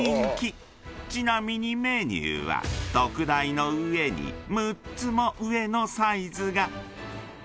［ちなみにメニューは特大の上に６つも上のサイズが］